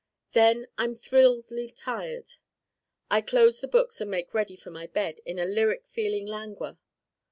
Then I'm thrilledly tired. I close the books and make ready for my bed in a lyric feeling languor.